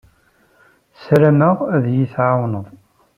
Ssarameɣ ad iyi-tɛawneḍ.